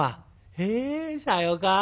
「へえさようか。